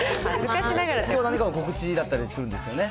きょう、何か告知だったりするんですよね。